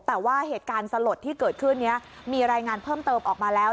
แต่ว่าเหตุการณ์สลดที่เกิดขึ้นนี้มีรายงานเพิ่มเติมออกมาแล้ว